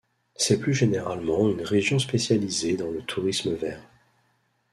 C’est plus généralement une région spécialisée dans le tourisme vert.